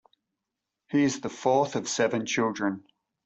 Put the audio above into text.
He is the fourth of seven children.